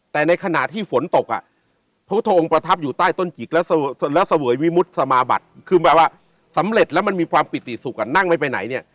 แต่ในขณะที่ฝนตกอ่ะพระพุทธองค์ประทับอยู่ใต้ต้นจิกแล้วเสวยวิมุติสมาบัตรคือแบบว่าสำเร็จแล้วมันมีความปิติสุขนั่งไม่ไปไหนเนี่ย